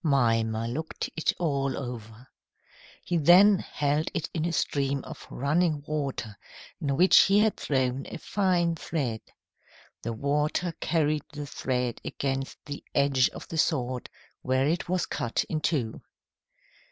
Mimer looked it all over. He then held it in a stream of running water in which he had thrown a fine thread. The water carried the thread against the edge of the sword, where it was cut in two.